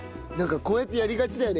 こうやってやりがちだよね。